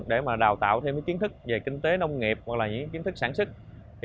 để đào tạo thêm những kiến thức về kinh tế nông nghiệp hoặc là những kiến thức sản xuất